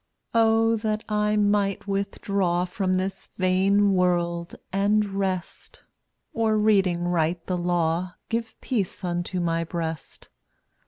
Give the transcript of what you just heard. iio Oh, that I might withdraw From this vain world, and rest, Or, reading right the Law, Give peace unto my breast.